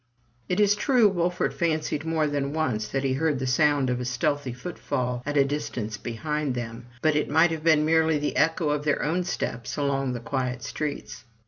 It is true, Wolfert fancied more than once that he heard the sound of a stealthy footfall at a distance behind them; but it might have been merely the echo of their own steps along the quiet streets.